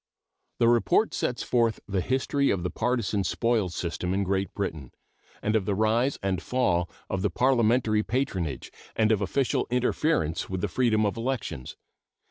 The report sets forth the history of the partisan spoils system in Great Britain, and of the rise and fall of the parliamentary patronage, and of official interference with the freedom of elections.